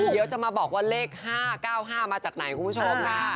เดี๋ยวจะมาบอกว่าเลข๕๙๕มาจากไหนคุณผู้ชมนะคะ